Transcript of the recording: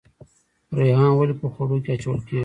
ریحان ولې په خوړو کې اچول کیږي؟